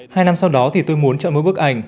hai năm sau đó thì tôi muốn chọn mỗi bức ảnh